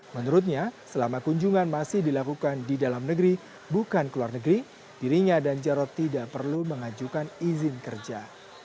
menurutnya selama kunjungan masih dilakukan di dalam negeri bukan keluar negeri dirinya dan jarod tidak perlu mengajukan izin kerja